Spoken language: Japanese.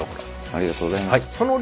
ありがとうございます。